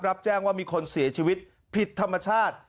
รับแจ้งว่ามีคนเสียชีวิตผิดธรรมชาติ